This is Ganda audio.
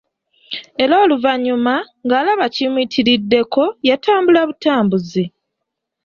Era oluvannyuma, ng'alaba kimuyitiriddeko, yatambulabutambuzi.